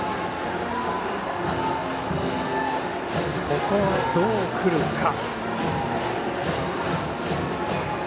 ここはどうくるか。